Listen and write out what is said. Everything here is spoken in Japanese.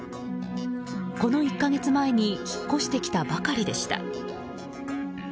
この１か月前に引っ越してきたばかりでした。